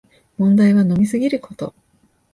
問題は飲みすぎること